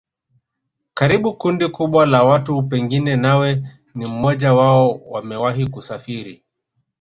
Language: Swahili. Karibu kundi kubwa la watu pengine nawe ni mmoja wao wamewahi kusafiri